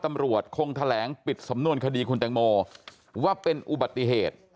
ตำรวจคงแถลงปิดสำนวนคดีคุณแตงโมว่าเป็นอุบัติเหตุ